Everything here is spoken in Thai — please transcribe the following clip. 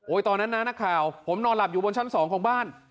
ตอนนั้นนะนักข่าวผมนอนหลับอยู่บนชั้น๒ของบ้าน